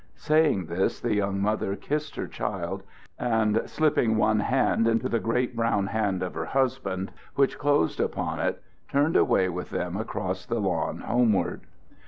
Saying this, the young mother kissed her child, and slipping one hand into the great brown hand of her husband, which closed upon it, turned away with them across the lawn homeward.